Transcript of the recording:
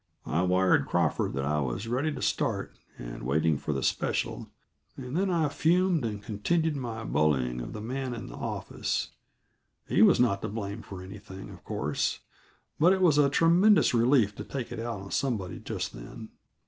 I wired Crawford that I was ready to start and waiting for the special, and then I fumed and continued my bullying of the man in the office; he was not to blame for anything, of course, but it was a tremendous relief to take it out of somebody just then.